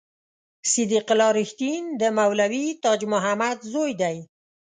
صدیق الله رښتین د مولوي تاج محمد زوی دی.